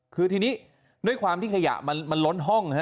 คือทีนี้ด้วยความที่ขยะมันล้นห้องฮะ